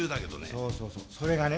そうそうそうそれがね